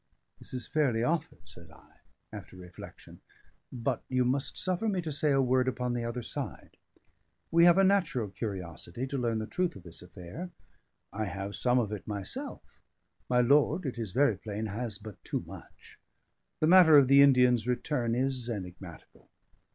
"This is fairly offered," said I, after reflection. "But you must suffer me to say a word upon the other side. We have a natural curiosity to learn the truth of this affair; I have some of it myself; my lord (it is very plain) has but too much. The matter of the Indian's return is enigmatical."